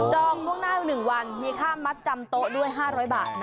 จองบ้างหน้า๑วันมีค่ามัดจำโต๊ะด้วย๕๐๐บาทนะ